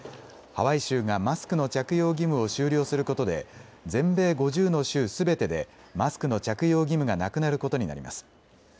ハワイ州がマスクの着用義務を終了することで全米５０の州すべてでマスクの着用義務がなくなることになります。